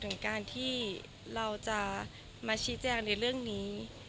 ถึงการที่เราจะมาชี้แจงในเรื่องนี้